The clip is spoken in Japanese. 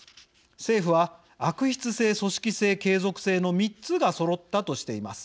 政府は悪質性、組織性、継続性の３つがそろったとしています。